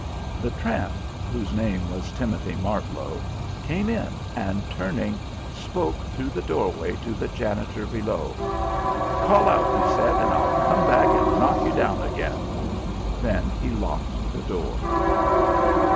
The tramp, whose name was Timothy Martlow, came in and turning, spoke through the doorway to the janitor below. "Call out," he said, "and I'll come back and knock you down again." Then he locked the door.